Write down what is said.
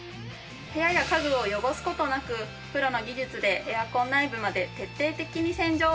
部屋や家具を汚す事なくプロの技術でエアコン内部まで徹底的に洗浄。